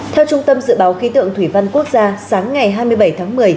theo trung tâm dự báo khí tượng thủy văn quốc gia sáng ngày hai mươi bảy tháng một mươi